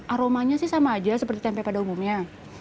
aromanya sih sama aja seperti tempe pada umumnya